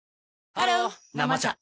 ハロー「生茶」